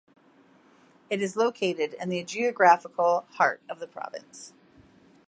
It is located in the geographical heart of the province.